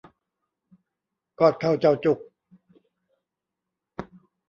กอดเข่าเจ่าจุก